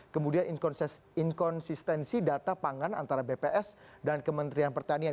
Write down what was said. kemudian inkonsistensi data pangan antara bps dan kementerian pertanian